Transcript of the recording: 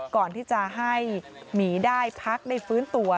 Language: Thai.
ก่อนที่จะให้หมีได้พักได้ฟื้นตัว